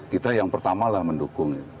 kita yang pertama lah mendukung